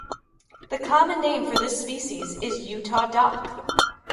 The common name for this species is Utah dock.